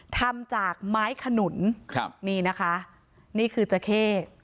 ทำจากไม้ขนุนครับนี่นะคะนี่คือจราเข้